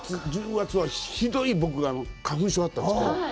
５月、６月はひどい花粉症だったんですけど。